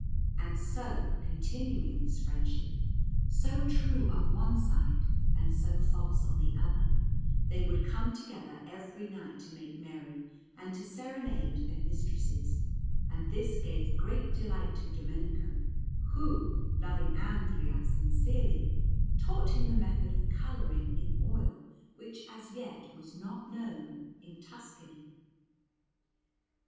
And so, continuing this friendship, so true on one side and so false on the other, they would come together every night to make merry and to serenade their mistresses; and this gave great delight to Domenico, who, loving Andrea sincerely, taught him the method of colouring in oil, which as yet was not known in Tuscany.